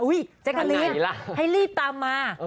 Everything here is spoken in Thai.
อุ้ยเจ๊กะลิให้รีบตามมา